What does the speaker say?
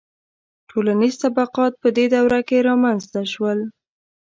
• ټولنیز طبقات په دې دوره کې رامنځته شول.